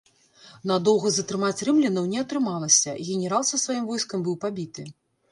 Надоўга затрымаць рымлянаў не атрымалася, генерал са сваім войскам быў пабіты.